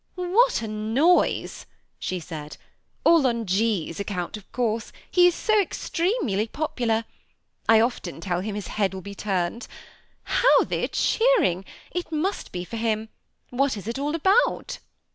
" What a noise !" she said. " All on G.'s account, of course; he is so extremely popular. I often tell him his head will be turned. How they are cheering ! it must be for him. What is it all about